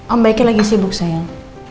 ombaikan lagi sibuk sayang